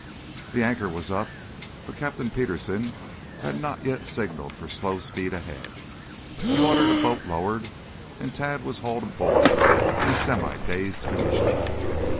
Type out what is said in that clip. The anchor was up, but Captain Petersen had not yet signaled for slow speed ahead. He ordered a boat lowered and Tad was hauled aboard in a semi dazed condition.